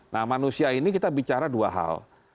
nah manusia ini kita bicara dua hal